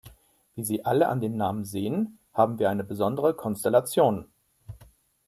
Wie Sie alle an den Namen sehen, haben wir eine besondere Konstellation.